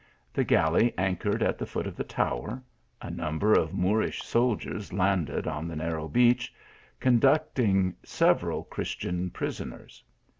The galley anchored at the foot of the tower: a number of Moorish soldiers landed on the narrow beach, con ducting several Christian prisoners.